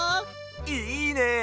いいね！